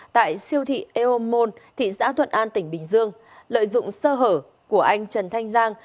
tại siêu thị eo môn thị xã thuận an tỉnh bình dương lợi dụng sơ hở của anh trần thanh giang